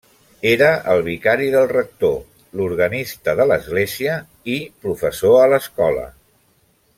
Era el vicari del rector, l'organista de l'església i professor a l'escola.